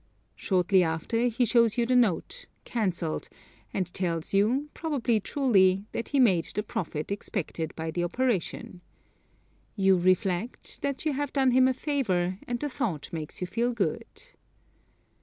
Shortly after he shows you the note, cancelled, and tells you, probably truly, that he made the profit expected by the operation. You reflect that you have done him a favor, and the thought makes you feel good.